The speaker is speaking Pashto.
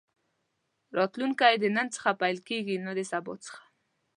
راتلونکی د نن څخه پيل کېږي نه د سبا څخه.